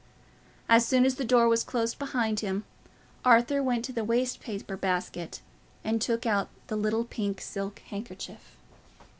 As soon as the door was closed behind him, Arthur went to the waste paper basket and took out the little pink silk handkerchief.